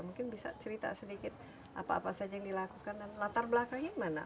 mungkin bisa cerita sedikit apa apa saja yang dilakukan dan latar belakangnya mana